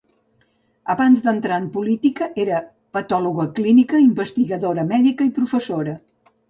Abans d'entrar en política era patòloga clínica, investigadora mèdica i professora.